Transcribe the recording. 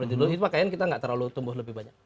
itu pakaian kita tidak terlalu tumbuh lebih banyak